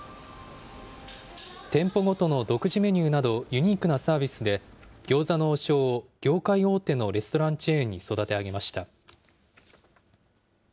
店舗ごとの独自メニューなど、ユニークなサービスで、餃子の王将を業界大手のレストランチェーンに育て上げました。